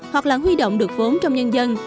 hoặc là huy động được vốn trong nhân dân